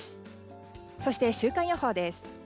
そして、週間予報です。